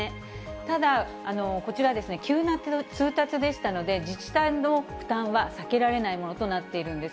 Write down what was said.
ただ、こちら、急な通達でしたので、自治体の負担は避けられないものとなっているんです。